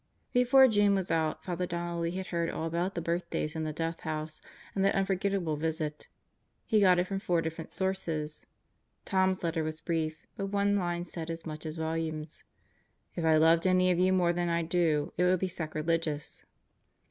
Before June was out, Father Donnelly had heard all about the birthdays in the Death House and that unforgettable visit. He got it from four different sources. Tom's letter was brief, but one line said as much as volumes. "If I loved any of you more than I do, it would be sacrilegious."